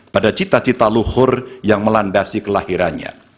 pada cita cita luhur yang melandasi kelahirannya